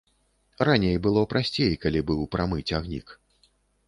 Раней было прасцей, калі быў прамы цягнік.